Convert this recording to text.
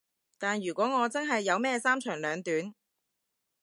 但如果我真係有咩三長兩短